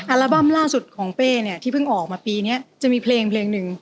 อัลบั้มล่าสุดของเป้เนี่ยที่เพิ่งออกมาปีนี้จะมีเพลงเพลงหนึ่ง